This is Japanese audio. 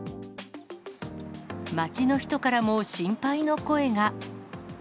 街の人からも心配の声が。